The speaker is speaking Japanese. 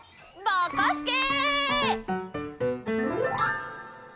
ぼこすけ！